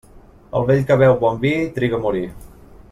El vell que beu bon vi triga a morir.